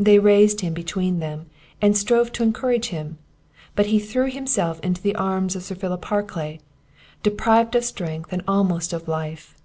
They raised him between them, and strove to encourage him; but he threw himself into the arms of Sir Philip Harclay, deprived of strength, and almost of life.